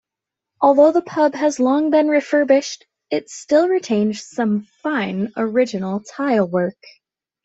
Although the pub has long been refurbished, it still retains some fine original tilework.